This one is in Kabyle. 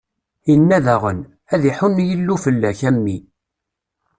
Inna daɣen: Ad iḥunn Yillu fell-ak, a mmi!